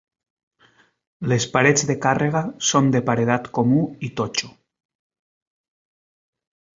Les parets de càrrega són de paredat comú i totxo.